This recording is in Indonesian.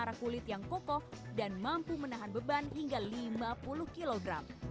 antara kulit yang kokoh dan mampu menahan beban hingga lima puluh kg